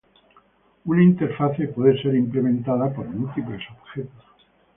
Una interface puede ser implementada por múltiples objetos.